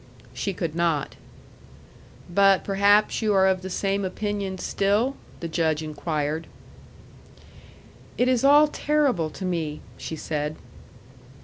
She could not. "But perhaps you are of the same opinion still?" the Judge inquired. "It is all terrible to me," she said.